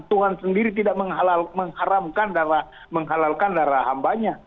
tuhan sendiri tidak menghalalkan darah hambanya